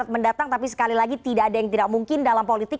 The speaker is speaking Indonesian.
mendatang tapi sekali lagi tidak ada yang tidak mungkin dalam politik